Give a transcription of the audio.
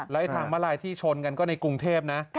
และทางมาลายที่ชนกันก็ในกรุงเทพนะ